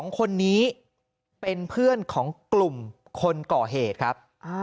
๒คนนี้เป็นเพื่อนของกลุ่มคนก่อเหตุครับ